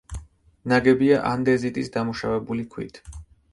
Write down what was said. ნაგებია ანდეზიტის დამუშავებული ქვით.